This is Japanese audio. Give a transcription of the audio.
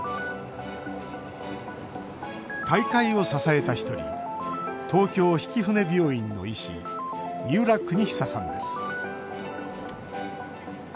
大会を支えた１人東京曳舟病院の医師三浦邦久さんです。